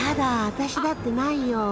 私だってないよ。